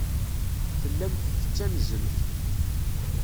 Tellamt tettanzemt.